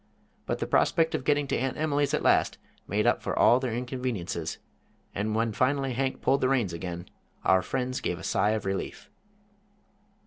But the prospect of getting to Aunt Emily's at last made up for all their inconveniences, and when finally Hank pulled the reins again, our friends gave a sigh of relief.